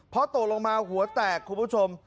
พอตกลงมาหัวแตกคุณผู้ชม